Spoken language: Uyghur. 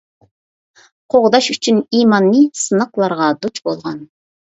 قوغداش ئۈچۈن ئىماننى، سىناقلارغا دۇچ بولغان.